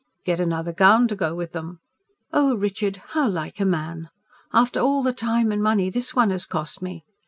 "Get another gown to go with them." "Oh, Richard... how like a man! After all the time and money this one has cost me.